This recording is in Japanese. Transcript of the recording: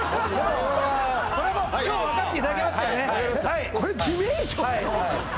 これはこれも今日分かっていただけましたよね？